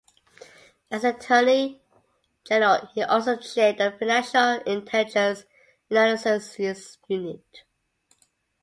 As Attorney General he also chaired the Financial Intelligence Analyses Unit.